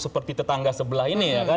seperti tetangga sebelah ini